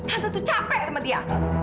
hasto tuh capek sama dia